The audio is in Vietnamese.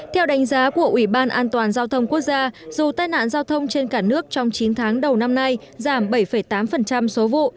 theo đánh giá của ủy ban an toàn giao thông quốc gia dù tai nạn giao thông trên cả nước trong chín tháng đầu năm nay giảm bảy tám số vụ